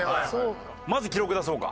まず記録出そうか。